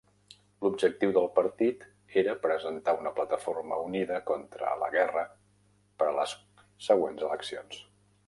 L'objectiu del partit era presentar una plataforma unida contra la guerra per a les següents eleccions.